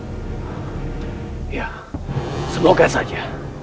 iya semoga saja